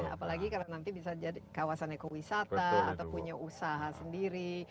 apalagi kalau nanti bisa jadi kawasan ekowisata atau punya usaha sendiri